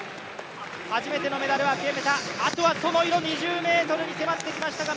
初めてのメダルを諦めた、あとは２０ｍに迫ってきましたが、